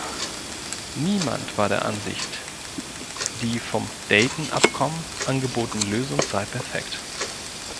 Niemand war der Ansicht, die vom Dayton-Abkommen angebotene Lösung sei perfekt.